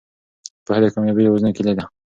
پوهه د کامیابۍ یوازینۍ کیلي ده.